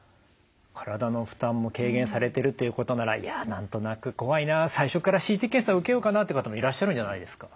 体の負担も軽減されてるということならいや何となく怖いな最初からＣＴ検査を受けようかなって方もいらっしゃるんじゃないですか？